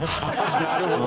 なるほど。